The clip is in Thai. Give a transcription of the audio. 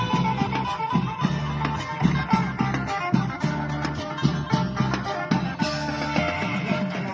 สวัสดีครับทุกคน